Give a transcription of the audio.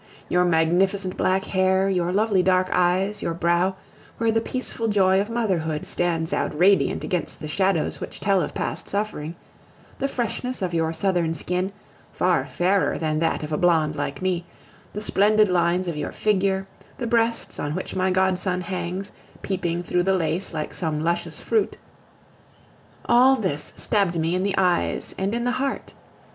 Your magnificent black hair, your lovely dark eyes, your brow, where the peaceful joy of motherhood stands out radiant against the shadows which tell of past suffering, the freshness of your southern skin, far fairer than that of a blonde like me, the splendid lines of your figure, the breasts, on which my godson hangs, peeping through the lace like some luscious fruit, all this stabbed me in the eyes and in the heart.